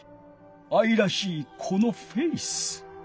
あいらしいこのフェース。